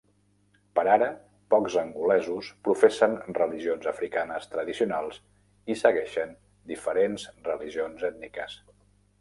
Per ara pocs angolesos professen religions africanes tradicionals i segueixen diferents religions ètniques.